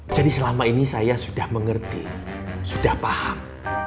jadi selama ini saya sudah mengerti sudah paham